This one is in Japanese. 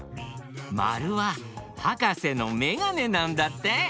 まるははかせのめがねなんだって！